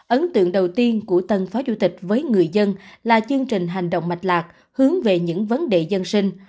ấn tượng đầu tiên của tân phó chủ tịch với người dân là chương trình hành động mạch lạc hướng về những vấn đề dân sinh